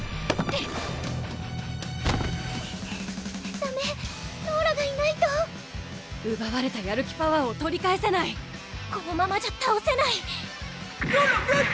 ダメローラがいないとうばわれたやる気パワーを取り返せないこのままじゃたおせないヤラネーダ！